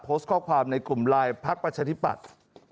โพสต์ข้อความในกลุ่มไลน์พักประชาธิปัตย์